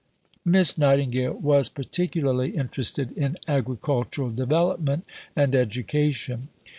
Miss Nightingale was particularly interested in agricultural development and education.